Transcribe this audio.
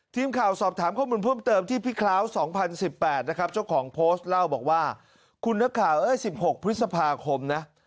ทีมข่าวสอบถามข้อมูลเพิ่มเติมที่พี่คล้าว๒๐๑๘นะครับเจ้าของโพสต์เล่าบอกว่าคุณนักข่าว๑๖พฤษภาคมนะ